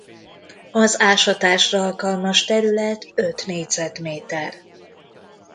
Az ásatásra alkalmas terület öt négyzetméter.